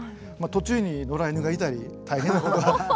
途中に野良犬がいたり大変なことが。